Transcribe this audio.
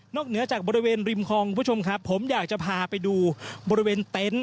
เหนือจากบริเวณริมคลองคุณผู้ชมครับผมอยากจะพาไปดูบริเวณเต็นต์